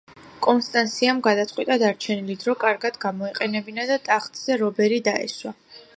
კონსტანსიამ გადაწყიტა დარჩენილი დრო კარგად გამოეყენებინა და ტახტზე რობერი დაესვა.